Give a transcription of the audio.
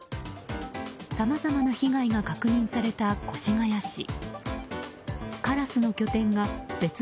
さまざまな被害が確認された越谷市。